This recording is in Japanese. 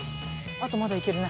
あとまだいけるね。